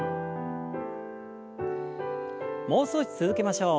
もう少し続けましょう。